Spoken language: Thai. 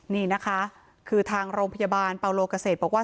นี่นะคะคือทางโรงพยาบาลปาโลเกษตรบอกว่า